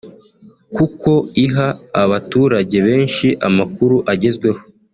kuko iha abaturage benshi amakuru agezweho